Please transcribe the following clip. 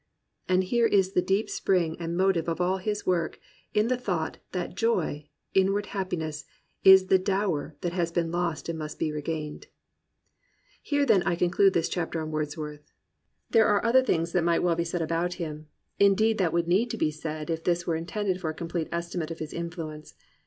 And here is the deep spring and motive of all his work, in the thought that jcyy, inward happiness, is the dower that has been lost and must be regained. Here then I conclude this chapter on Wordsworth. There are other things that might well be said about 229 COMPANIONABLE BOOKS him, indeed that would need to be said if this were intended for a complete estimate of his influence.